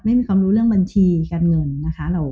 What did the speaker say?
ไม่มีข้อมูลเรื่องบัญชีการเงิน